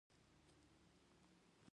احمده! سر لويي ښه نه ده.